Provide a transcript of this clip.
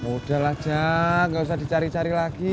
udah lah jak nggak usah dicari cari lagi